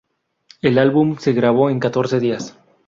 El álbum se grabó en catorce días.